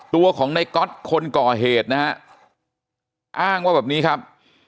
ตัวของในก๊อตคนก่อเหตุนะฮะอ้างว่าแบบนี้ครับ